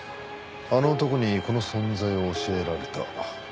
あの男にこの存在を教えられた？